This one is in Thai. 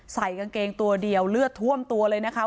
ใส่กางเกงตัวเดียวเลือดท่วมตัวเลยนะคะ